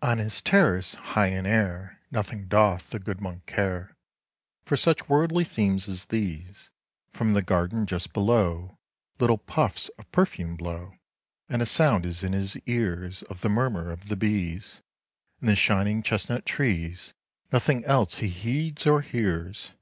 70 On his terrace, high in air, Nothing doth the good monk care For such worldly themes as these. From the garden just below Little puffs of perfume blow, 75 And a sound is in his ears Of the murmur of the bees In the shining chestnut trees; Nothing else he heeds or hears.